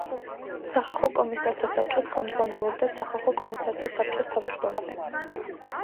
სახალხო კომისართა საბჭოს ხელმძღვანელობდა სახალხო კომისართა საბჭოს თავმჯდომარე.